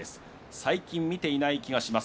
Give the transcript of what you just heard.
最近、見ていない気がします。